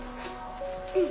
うん。